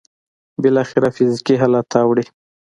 بالاخره فزيکي حالت ته اوړي.